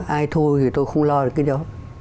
ai thôi thì tôi không lo được cái đó